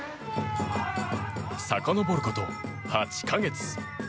さかのぼること、８か月。